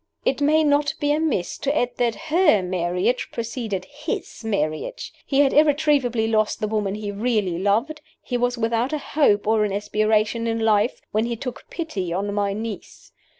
It may not be amiss to add that her marriage preceded his marriage. He had irretrievably lost the woman he really loved he was without a hope or an aspiration in life when he took pity on my niece.